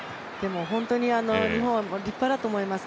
日本は立派だと思います。